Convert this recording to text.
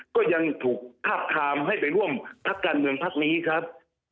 ก็ยังถูกคาบคามให้ไปร่วมพักการเมืองพักนี้ครับ